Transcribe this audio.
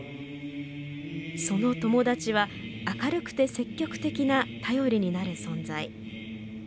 その友達は明るくて積極的な頼りになる存在。